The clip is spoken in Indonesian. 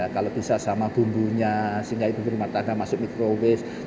kalau bisa sama bumbunya sehingga ibu ibu rumah tangga masuk microwave